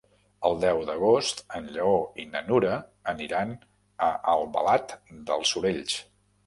El deu d'agost en Lleó i na Nura aniran a Albalat dels Sorells.